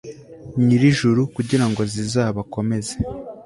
nyir'ijuru, kugira ngo zizabakomeze